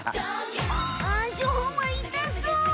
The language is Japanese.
しょうまいたそう。